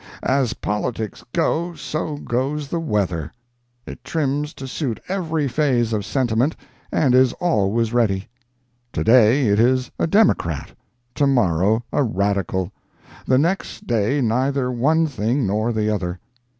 As politics go, so goes the weather. It trims to suit every phase of sentiment, and is always ready. To day it is a Democrat, to morrow a Radical, the next day neither one thing nor the other.